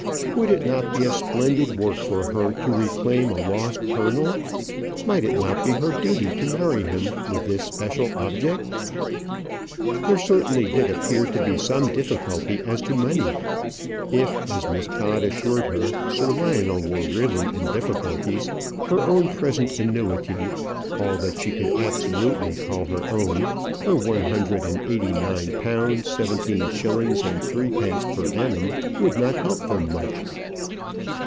Would it not be a splendid work for her to reclaim a lost colonel? Might it not be her duty to marry him with this special object? There certainly did appear to be some difficulty as to money. If, as Miss Todd assured her, Sir Lionel were really in difficulties, her own present annuity all that she could absolutely call her own her one hundred and eighty nine pounds, seventeen shillings and threepence per annum would not help them much.